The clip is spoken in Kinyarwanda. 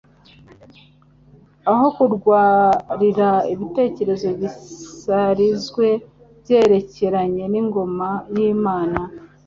Aho kurwariya ibitekerezo bisarizwe byerekeranye n'ingoma y'Imana,